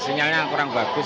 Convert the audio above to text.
sinyalnya kurang bagus